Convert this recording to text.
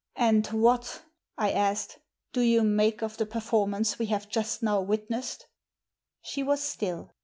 "And what,'' I asked, "do you make of the per formance we have just now witnessed?" She was still.